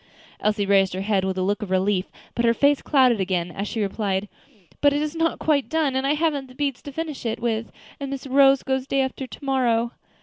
Elsie raised her head with a look of relief, but her face clouded again, as she replied, "But it is not quite done, and I haven't the beads to finish it with, and Miss Rose goes day after to morrow."